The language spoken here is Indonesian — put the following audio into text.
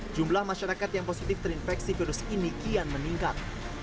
jumlah masyarakat yang positif terinfeksi virus ini kian meningkat